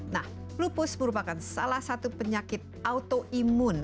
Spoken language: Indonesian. nah lupus merupakan salah satu penyakit autoimun